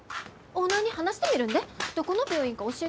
オーナーに話してみるんでどこの病院か教えてください。